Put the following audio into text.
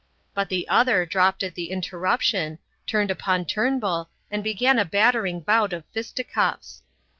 But the other dropped at the interruption, turned upon Turnbull and began a battering bout of fisticuffs.